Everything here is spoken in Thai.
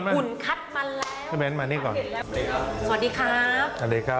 สวัสดีครับแนะนำตัวเองหน่อยค่ะ